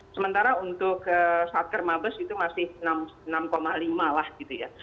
sementara untuk satker mabes itu masih enam lima lah gitu ya